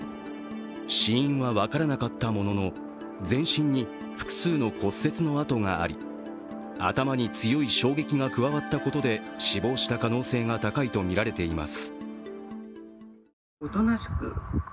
死因は分からなかったものの、全身に複数の骨折の跡があり、頭に強い衝撃が加わったことで死亡した可能性が高いとみられています。